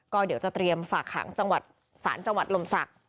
ก็เดี๋ยวจะเตรียมฝากหางสารจังหวัดลมศักดิ์